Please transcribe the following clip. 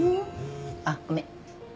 あっごめん。